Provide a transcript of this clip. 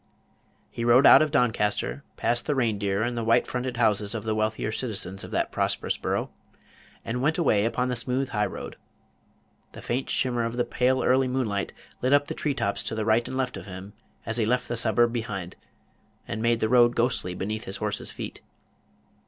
He rode out of Doncaster, past the "Reindeer" and the white fronted houses of the wealthier citizens of that prosperous borough, and away upon the smooth high road. The faint shimmer of the pale early moonlight lit up the tree tops to right and left of him as he left the suburb behind, and made the road ghostly beneath his horse's feet.